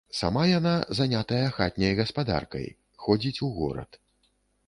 Сама яна занятая хатняй гаспадаркай, ходзіць у горад.